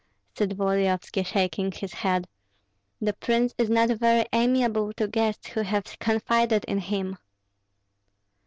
said Volodyovski, shaking his head. "The prince is not very amiable to guests who have confided in him."